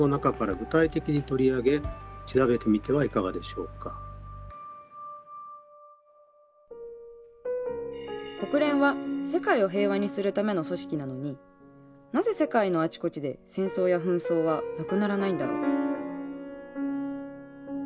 しかし皆さんも国連は世界を平和にするための組織なのになぜ世界のあちこちで戦争や紛争はなくならないんだろう？